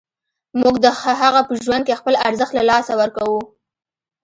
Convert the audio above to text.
موږ د هغه په ژوند کې خپل ارزښت له لاسه ورکوو.